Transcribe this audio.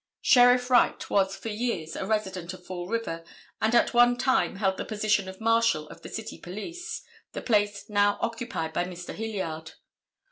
Sheriff Wright was for years a resident of Fall River, and at one time held the position of Marshal of the city police, the place now occupied by Mr. Hilliard.